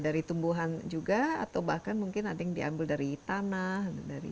dari tumbuhan juga atau bahkan mungkin ada yang diambil dari tanah